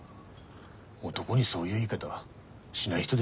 男にそういう言い方しない人でしょ。